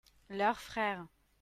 leurs frères.